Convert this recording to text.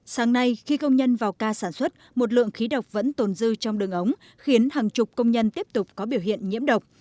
sáng nay khi công nhân vào ca sản xuất một lượng khí độc vẫn tồn dư trong đường ống khiến hàng chục công nhân tiếp tục có biểu hiện nhiễm độc